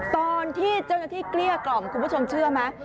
ตอนที่เจ้าหน้าที่เกลี้ยกล่อมคุณผู้ชมเชื่อไหม